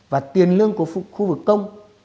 và tiền lương của khu vực công